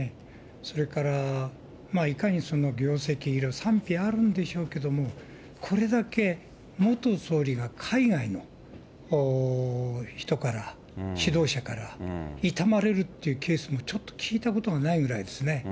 それから、いかにその業績、賛否あるんでしょうけれども、これだけ元総理が海外の人から、指導者から悼まれるっていうケースも、ちょっと聞いたことがないぐらいですね。